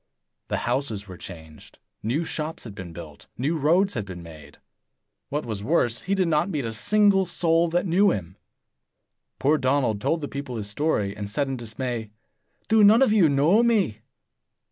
The houses were changed; new shops had been built; new roads had been made. What was worse, he did not meet a single soul that knew him. Poor Donald told the people his story, and said in dismay, "Do none of you know me?"